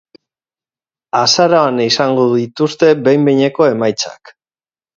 Azaroan izango dituzte behin-behineko emaitzak.